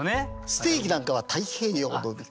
ステーキなんかは「太平洋の」。